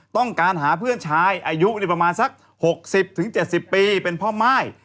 ต้องการหาเพื่อนชายอายุประมาณสัก๖๐๗๐ปีเป็นพ่อม่าย